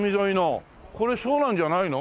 これそうなんじゃないの？